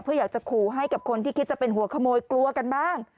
เพื่ออยากจะขู่ให้กับคนที่คิดจะเป็นหัวขโมยกลัวกันบ้าง